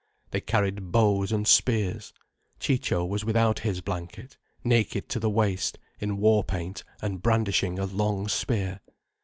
They carried bows and spears. Ciccio was without his blanket, naked to the waist, in war paint, and brandishing a long spear.